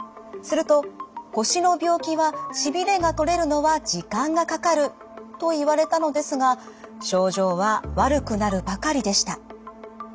すると腰の病気はしびれが取れるのは時間がかかるといわれたのですが症状は悪くなるばかりでした。